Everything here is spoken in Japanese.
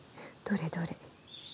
どれどれ。